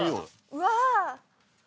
うわ！